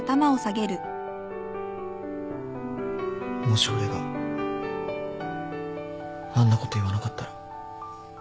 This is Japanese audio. もし俺があんなこと言わなかったら。